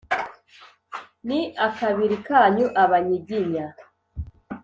ni akabiri kanyu abanyiginya.